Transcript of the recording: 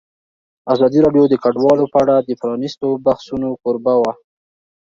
ازادي راډیو د کډوال په اړه د پرانیستو بحثونو کوربه وه.